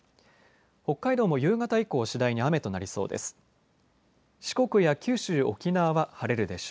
北海道も夕方以降次第に雨となりそうです。